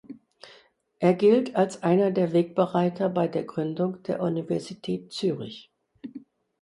Er gilt als einer der Wegbereiter bei der Gründung der Universität Zürich.